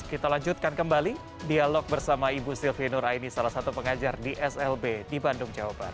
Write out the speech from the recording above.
kita lanjutkan kembali dialog bersama ibu sylvi nur aini salah satu pengajar di slb di bandung jawa barat